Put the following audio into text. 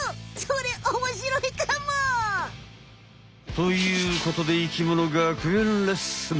それおもしろいかも！ということで生きもの学園レッスン！